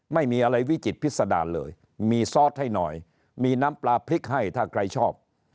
ไม่มีอะไรวิจิตพิษดารเลยมีซอสให้หน่อยมีน้ำปลาพริกให้ถ้าใครชอบ